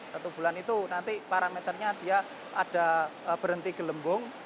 satu bulan itu nanti parameternya dia ada berhenti gelembung